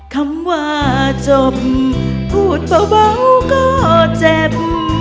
คำว่าจบพูดเบาก็เจ็บ